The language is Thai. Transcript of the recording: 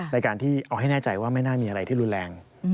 ในการที่เอาให้แน่ใจว่าไม่น่ามีอะไรที่รุนแรง